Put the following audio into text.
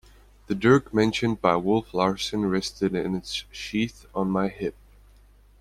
The dirk mentioned by Wolf Larsen rested in its sheath on my hip.